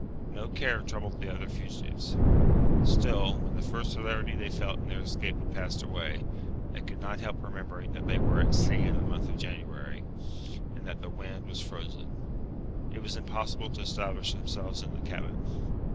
No care troubled the other fugitives. Still, when the first hilarity they felt in their escape had passed away, they could not help remembering that they were at sea in the month of January, and that the wind was frozen. It was impossible to establish themselves in the cabin.